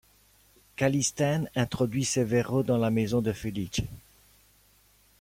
Callistenes introduit Severo dans la maison de Felice.